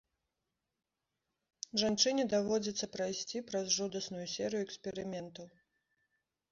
Жанчыне даводзіцца прайсці праз жудасную серыю эксперыментаў.